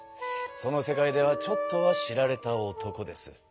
その世界ではちょっとは知られた男です。